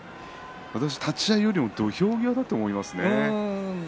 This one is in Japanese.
私は立ち合いよりも土俵際だと思いますね。